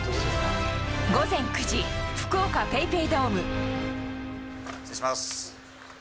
午前９時、福岡ＰａｙＰａｙドー失礼します。